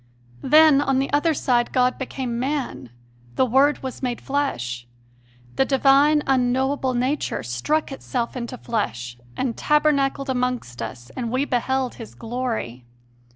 Then, on the other side, God became man "the Word was made flesh." The divine, unknowable Nature struck itself into flesh and "tabernacled amongst us, and we beheld His glory."